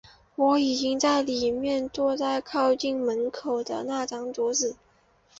我已经在里面了，坐在靠近门口的那张桌子。